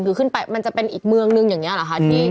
คือขึ้นไปมันจะเป็นอีกเมืองนึงอย่างนี้เหรอคะ